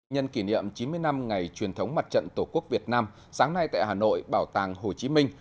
nhân kỷ niệm chín mươi năm ngày truyền thống mặt trận tổ quốc việt nam sáng nay tại hà nội bảo tàng hồ chí minh